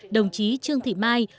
đồng chí trương thị mai